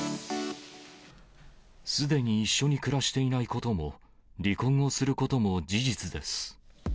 すでに一緒に暮らしていないことも、離婚をすることも事実です。